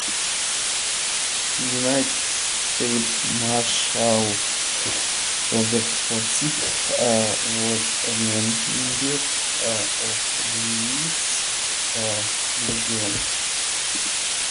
United States Marshal Robert Forsyth was a member of Lee's Legion.